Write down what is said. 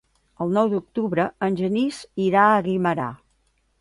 El nou d'octubre en Genís irà a Guimerà.